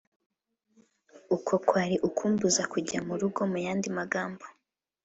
uwo kwari ukumbuza kujya mu rugo mu yandi magambo